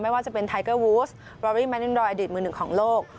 ว่าจะเป็นไทเกอร์วูสบอรี่แมนินรอยอดีตมือหนึ่งของโลก